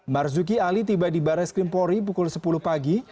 marzuki ali tiba di baris krimpori pukul sepuluh pagi